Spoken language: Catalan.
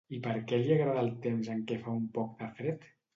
I per què li agrada el temps en què fa un poc de fred?